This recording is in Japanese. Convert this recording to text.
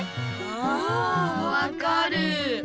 あわかる！